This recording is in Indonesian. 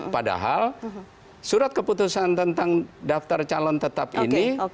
padahal surat keputusan tentang daftar calon tetap ini